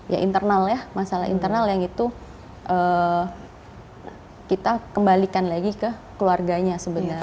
ya internal ya masalah internal yang itu kita kembalikan lagi ke keluarganya sebenarnya